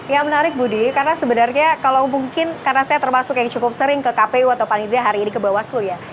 ya menarik budi karena sebenarnya kalau mungkin karena saya termasuk yang cukup sering ke kpu atau paling tidak hari ini ke bawaslu ya